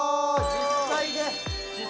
・実際で！